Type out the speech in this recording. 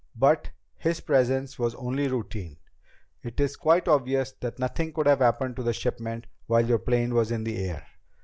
But his presence was only routine. It is quite obvious that nothing could have happened to the shipment while your plane was in the air.